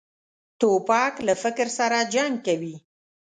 توپک له فکر سره جنګ کوي.